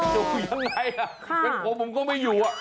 อยู่ยังไงเป็นผมผมก็ไม่อยู่